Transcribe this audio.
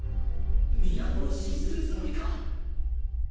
皆殺しにするつもりか！